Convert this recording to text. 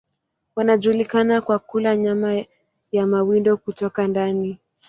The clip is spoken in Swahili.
Wanajulikana kwa kula nyama ya mawindo kutoka ndani.